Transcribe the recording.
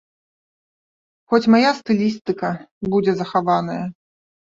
Хоць мая стылістыка будзе захаваная.